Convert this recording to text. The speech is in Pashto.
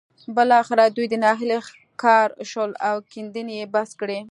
بالاخره دوی د ناهيلۍ ښکار شول او کيندنې يې بس کړې.